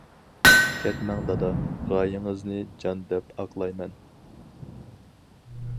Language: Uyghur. كەتمەڭ دادا، غايىڭىزنى جان دەپ ئاقلايمەن.